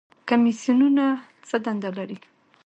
کمیسیونونه څه دنده لري؟